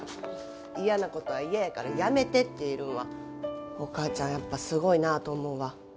嫌なことは嫌やからやめてって言えるんはお母ちゃんやっぱすごいなと思うわ。